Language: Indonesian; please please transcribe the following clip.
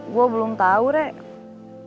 gue belum tau rek